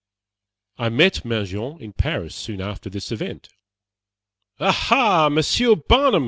I met Mangin in Paris soon after this event. "Aha, Monsieur Barnum!"